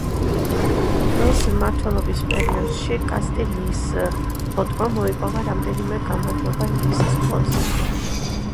მისი მმართველობის პერიოდში კასტილიის ფლოტმა მოიპოვა რამდენიმე გამარჯვება ინგლისის ფლოტზე.